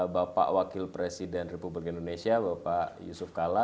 bapak wakil presiden republik indonesia bapak yusuf kala